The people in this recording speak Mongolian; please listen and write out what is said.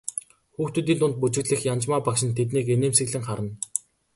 Хүүхдүүдийн дунд бүжиглэх Янжмаа багш нь тэднийг инээмсэглэн харна.